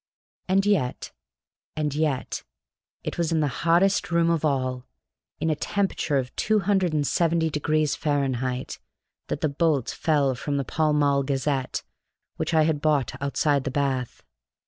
And yet and yet it was in the hottest room of all, in a temperature of 270° Fahrenheit, that the bolt fell from the Pall Mall Gazette which I had bought outside the bath.